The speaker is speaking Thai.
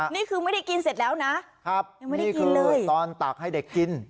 นี่คือไม่ได้กินเสร็จแล้วนะยังไม่ได้กินเลยตอนตักให้เด็กกิน